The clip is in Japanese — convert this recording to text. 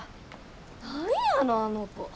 何やのあの子。